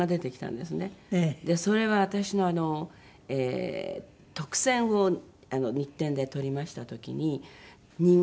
それは私の特選を日展で取りました時に人形師の阿部肥先生。